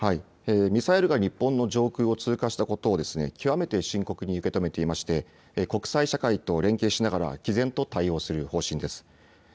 ミサイルが日本の上空を通過したことを極めて深刻に受け止めていまして国際社会と連携しながらきぜんと対応する方針です。